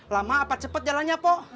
lama apa cepat jalannya po